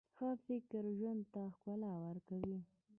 ښه فکر ژوند ته ښکلا ورکوي.